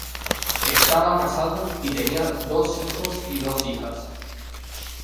Estaba casado y tenía dos hijos y dos hijas.